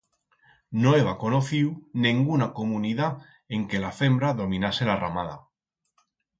No heba conociu nenguna comunidat en que la fembra dominase la ramada.